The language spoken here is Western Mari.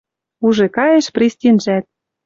Уже каеш пристинжӓт.